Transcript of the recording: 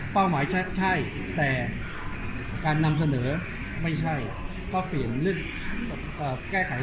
หมายใช่แต่การนำเสนอไม่ใช่ก็เปลี่ยนเรื่องแก้ไข